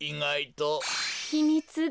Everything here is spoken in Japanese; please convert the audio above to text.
ひみつが。